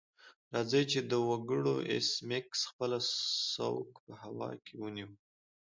راځئ چې دا وکړو ایس میکس خپله سوک په هوا کې ونیو